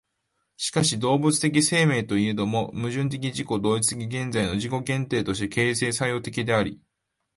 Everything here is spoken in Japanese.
しかし動物的生命といえども、矛盾的自己同一的現在の自己限定として形成作用的であり、